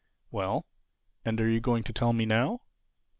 "Well, and are you going to tell me now?"